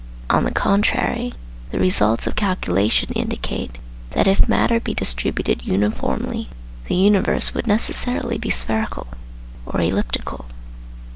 On the contrary, the results of calculation indicate that if matter be distributed uniformly, the universe would necessarily be spherical (or elliptical).